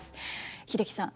英樹さん